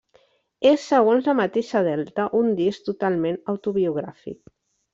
És, segons la mateixa Delta, un disc totalment autobiogràfic.